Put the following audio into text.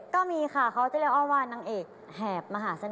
ก็มีค่ะเขาจะเรียกอ้อมว่านางเอกแหบมหาเสน